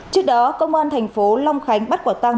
trước đó công an thành phố long khánh bắt quả tăng